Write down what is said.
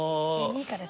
いいから。